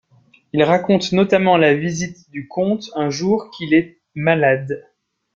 Il raconte notamment la visite du comte un jour qu'il est malade.